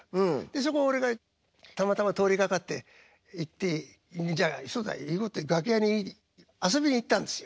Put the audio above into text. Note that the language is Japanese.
そこ俺がたまたま通りがかって行ってじゃあ楽屋に遊びに行ったんですよ。